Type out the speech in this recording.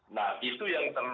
nah itu yang terlupa